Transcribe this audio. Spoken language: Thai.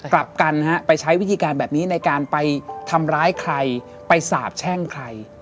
กลับกันไปใช้วิธีการแบบนี้ในการไปทำร้ายใครไปสาบแช่งใคร